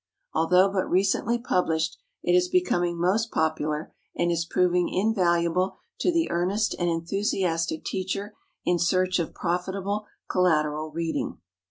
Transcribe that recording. Although but recently published, it is becoming most popular and is proving invaluable to the earnest and enthusiastic teacher in search of profitable collateral reading.